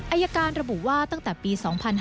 อายการระบุว่าตั้งแต่ปี๒๕๕๙